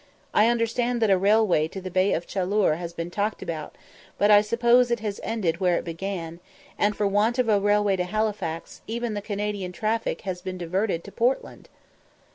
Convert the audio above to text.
I understand that a railway to the Bay of Chaleur has been talked about, but I suppose it has ended where it began; and, for want of a railway to Halifax, even the Canadian traffic has been diverted to Portland."